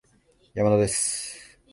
山田です